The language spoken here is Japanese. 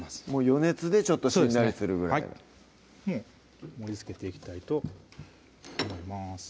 余熱でちょっとしんなりするぐらいもう盛りつけていきたいと思います